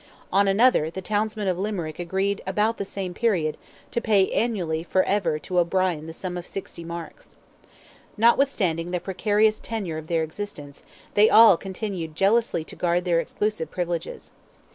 On another, the townsmen of Limerick agreed about the same period to pay annually for ever to O'Brien the sum of 60 marks. Notwithstanding the precarious tenure of their existence, they all continued jealously to guard their exclusive privileges.